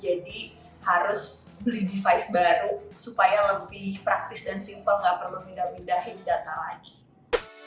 jadi harus beli device baru supaya lebih praktis dan simple tidak perlu pindah pindahin data lagi